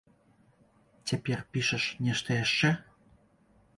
Цяпер пішаш нешта яшчэ?